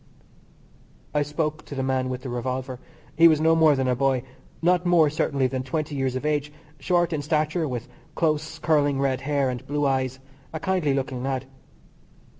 I spoke to the man with the revolver. He was no more than a boy, not more certainly than twenty years of age, short in stature, with close curling red hair and blue eyes a kindly looking lad.